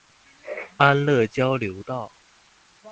安樂交流道